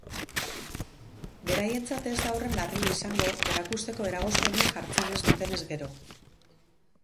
Beraientzat ez da horren larria izango, erakusteko eragozpenik jartzen ez dutenez gero.